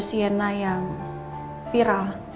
siana yang viral